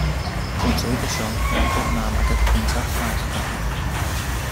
Concedit això van tornar amb aquest príncep a Aquitània.